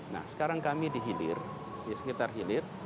nah sekarang kami di hilir di sekitar hilir